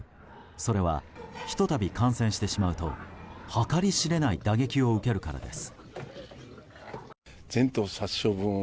それは、ひと度感染してしまうと計り知れない打撃を受けるからです。